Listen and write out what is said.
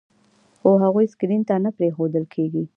خو هغوی سکرین ته نه پرېښودل کېږي.